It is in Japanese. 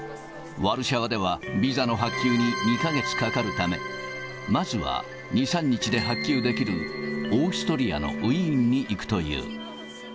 ワルシャワではビザの発給に２か月かかるため、まずは２、３日で発給できる、オーストリアのウィーンに行くという。